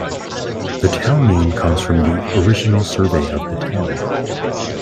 The town name comes from the original survey of the town.